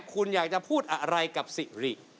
คุณอยากจะพูดอะไรกับสิริ